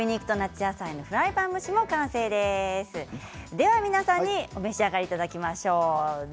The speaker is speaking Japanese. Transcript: では皆さんにお召し上がりいただきましょう。